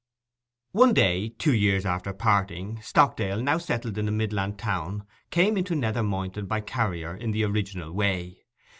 One day, two years after the parting, Stockdale, now settled in a midland town, came into Nether Moynton by carrier in the original way.